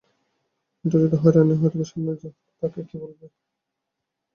এটা যদি হয়রানি হয়, তবে সামনে যা হবে তাকে কী বলবে?